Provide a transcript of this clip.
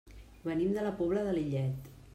Venim de la Pobla de Lillet.